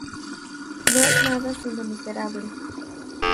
No es nada si no miserable.